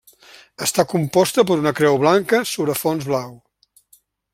Està composta per una creu blanca sobre fons blau.